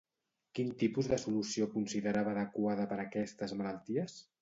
Quin tipus de solució considerava adequada per aquestes malalties?